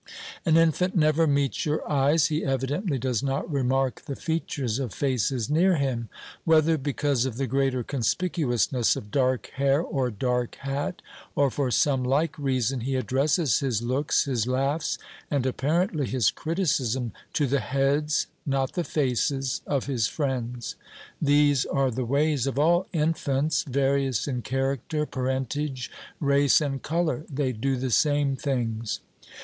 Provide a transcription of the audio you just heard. An infant never meets your eyes; he evidently does not remark the features of faces near him. Whether because of the greater conspicuousness of dark hair or dark hat, or for some like reason, he addresses his looks, his laughs, and apparently his criticism, to the heads, not the faces, of his friends. These are the ways of all infants, various in character, parentage, race, and colour; they do the same things.